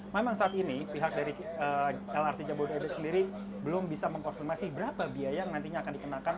memang saat ini pihak dari lrt jabodetabek sendiri belum bisa mengkonfirmasi berapa biaya yang nantinya akan dikenakan